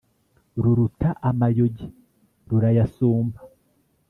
Ruruta amayogi rurayasumba